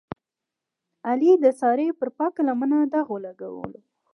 علي د سارې پر پاکه لمنه داغ ولګولو.